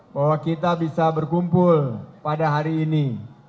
bahwa kita bisa berkumpul pada hari ini